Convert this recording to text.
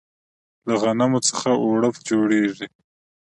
له غنمو څخه اوړه جوړیږي.